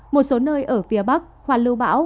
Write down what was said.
một số nơi ở phía bắc hoạt lưu bão